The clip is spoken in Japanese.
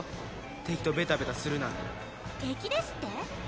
敵とベタベタするなんて敵ですって？